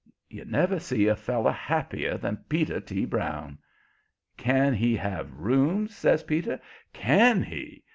You never see a feller happier than Peter T. Brown. "Can he have rooms?" says Peter. "CAN he?